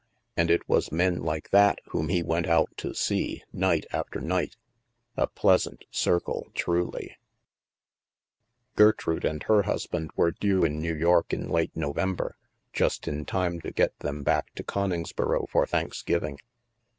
And it was men like that whom he went out to see, night after night ! A pleasant circle, truly ! Gertrude and her husband were due in New York in late November, just in time to get them back to Coningsboro for Thanksgiving.